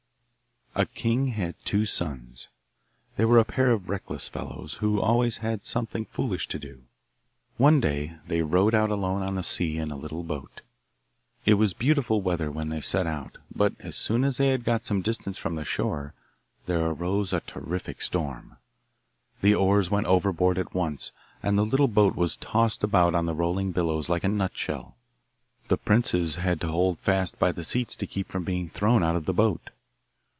A king had two sons. They were a pair of reckless fellows, who always had something foolish to do. One day they rowed out alone on the sea in a little boat. It was beautiful weather when they set out, but as soon as they had got some distance from the shore there arose a terrific storm. The oars went overboard at once, and the little boat was tossed about on the rolling billows like a nut shell. The princes had to hold fast by the seats to keep from being thrown out of the boat.